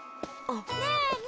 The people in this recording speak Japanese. ねえねえ